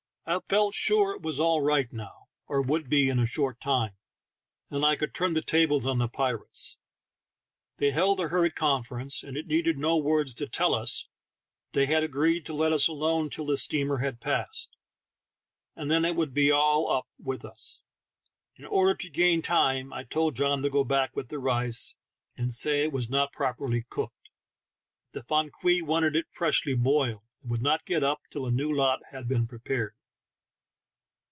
I felt sure it was all right now, or would be in a short time, and I could turn the tables on the pirates. They held a hurried conference, and it needed no words to tell us that they had agreed to let us alone till the steamer had passed, and then it would be all up with us. In order to gain time, I told John to go back with the rice and say it was not properly cooked, that the fan kwei wanted it 32 THE TALKING HANDKERCHIEF. freshly boiled, and would not get up till a new lot had been prepared.